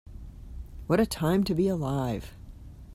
What a time to be alive.